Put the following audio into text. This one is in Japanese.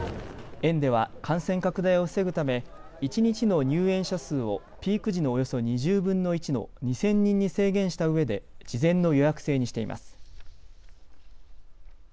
園では感染拡大を防ぐため一日の入園者数をピーク時のおよそ２０分の１の２０００人に制限したうえで事前の予約制にしています。